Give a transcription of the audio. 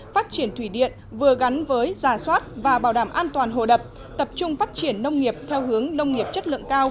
phát triển thủy điện vừa gắn với giả soát và bảo đảm an toàn hồ đập tập trung phát triển nông nghiệp theo hướng nông nghiệp chất lượng cao